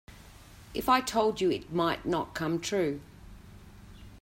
If I told you it might not come true.